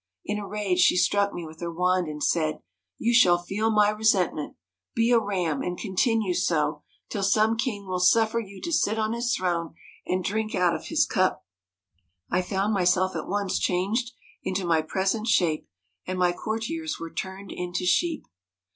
' In a rage she struck me with her wand, and said :'" You shall feel my resentment. Be a Ram, and continue so, till some king will suffer you to sit on his throne and drink out of his cup." ' I found myself at once changed into my present shape, and my courtiers were turned into sheep.'